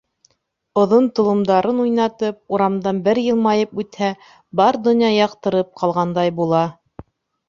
Оҙон толомдарын уйнатып, урамдан бер йылмайып үтһә, бар донъя яҡтырып ҡалғандай була.